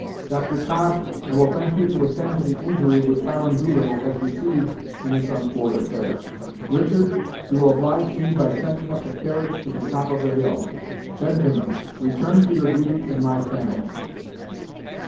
Dr. Todd, I will thank you to attend to the injury which Hiram Doolittle has received in this untoward affair, Richard, you will oblige me by sending up the carriage to the top of the hill. Benjamin, return to your duty in my family."